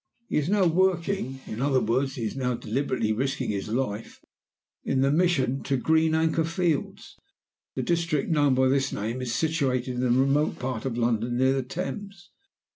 "He is now working in other words, he is now deliberately risking his life in the Mission to Green Anchor Fields. The district known by this name is situated in a remote part of London, near the Thames.